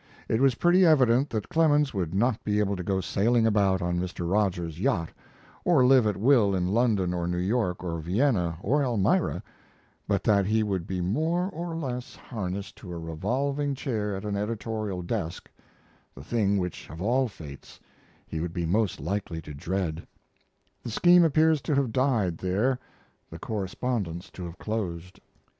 It was pretty evident that Clemens would not be able to go sailing about on Mr. Rogers's yacht or live at will in London or New York or Vienna or Elmira, but that he would be more or less harnessed to a revolving chair at an editorial desk, the thing which of all fates he would be most likely to dread The scheme appears to have died there the correspondence to have closed.